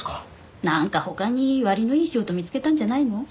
なんか他に割のいい仕事見つけたんじゃないの？